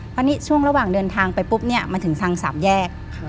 เพราะนี่ช่วงระหว่างเดินทางไปปุ๊บเนี่ยมันถึงทางสามแยก